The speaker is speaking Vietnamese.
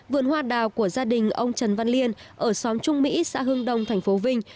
vườn hoa đào của gia đình ông trần văn liên ở xóm trung mỹ xã hương đông thành phố vinh